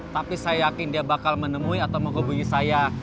tapi saya yakin dia bakal menemui atau menghubungi saya